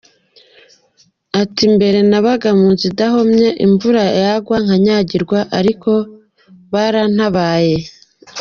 Ati “ Mbere nabaga mu nzu idahomye imvura yagwaga nkanyagirwa ariko barantabaye.